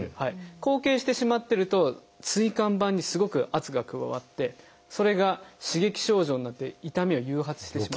後傾してしまってると椎間板にすごく圧が加わってそれが刺激症状になって痛みを誘発してしまう。